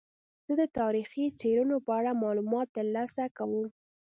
زه د تاریخي څیړنو په اړه معلومات ترلاسه کوم.